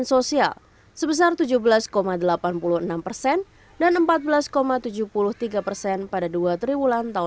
kepala kepala pemerintah dan pemerintah juga menjelaskan bahwa